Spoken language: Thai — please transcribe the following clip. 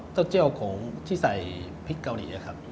เต้าเจ้าของที่ใส่พริกเกาหลีนะครับ